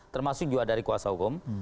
termasuk juga dari kuasa hukum